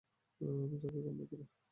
আমি যাব এখন ভেতরে।